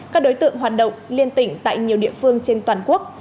các đối tượng hoạt động liên tỉnh tại nhiều địa phương trên toàn quốc